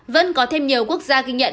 vẫn có thêm nhiều quốc gia ghi nhận